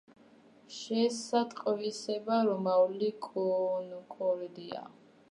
შეესატყვისება რომაული კონკორდია.